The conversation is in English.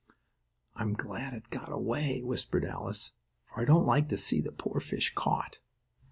"I'm glad it got away," whispered Alice, "for I don't like to see the poor fish caught."